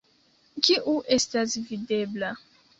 Kiu estas videbla?